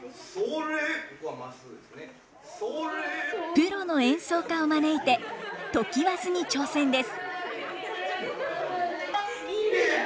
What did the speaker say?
プロの演奏家を招いて常磐津に挑戦です。